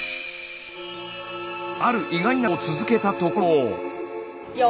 ある意外なことを続けたところ。